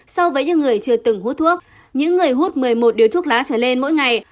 so với những người chưa từng hút thuốc những người hút một mươi một điếu thuốc lá trở lên mỗi ngày